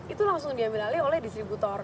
itu langsung diambil alih oleh distributor